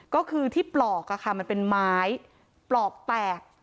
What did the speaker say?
ก็คือที่ปลอกมันเป็นไม้ปลอกแตก